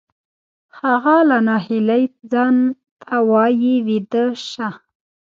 هغه له ناهیلۍ ځان ته وایی ویده شه